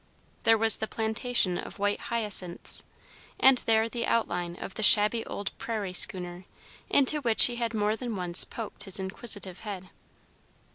There was the plantation of white hyacinths, and there the outline of the shabby old "Prairie Schooner," into which he had more than once poked his inquisitive head.